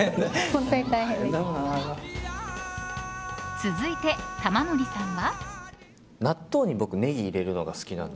続いて玉森さんは。